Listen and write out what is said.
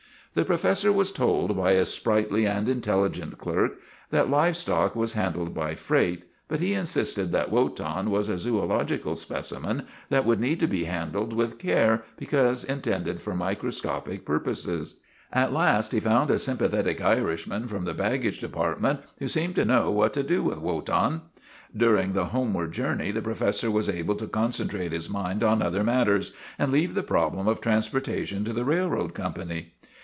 The professor was told by a sprightly and intelli gent clerk that live stock was handled by freight, but he insisted that Wotan was a zoological speci men that would need to be handled with care be cause intended for microscopic purposes. At last he found a sympathetic Irishman from the baggage WOTAN, THE TERRIBLE 217 department who seemed to know what to do with Wotan. During the homeward journey the professor was able to concentrate his mind on other matters and leave the problems of transportation to the railroad company.